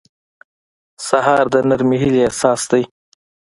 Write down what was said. سهار د نرمې هیلې احساس دی.